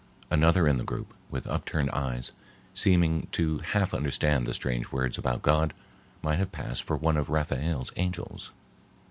Another in the group, with upturned eyes, seeming to half understand the strange words about God, might have passed for one of Raphael's angels.